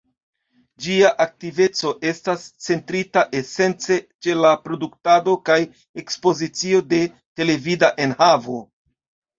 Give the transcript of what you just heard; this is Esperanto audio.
Ĝia aktiveco estas centrita esence ĉe la produktado kaj ekspozicio de televida enhavo.